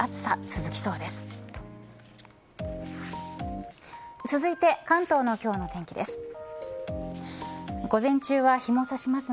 続いて関東の今日の天気です。